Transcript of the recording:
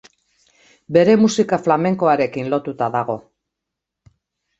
Bere musika flamenkoarekin lotuta dago.